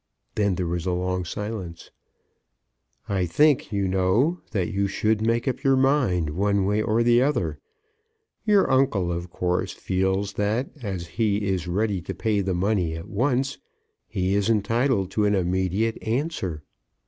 Then there was a long silence. "I think, you know, that you should make up your mind one way or the other. Your uncle of course feels that as he is ready to pay the money at once he is entitled to an immediate answer."